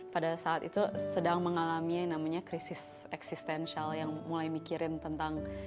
pada saat itu sedang mengalami yang namanya krisis eksistensial yang mulai mikirin tentang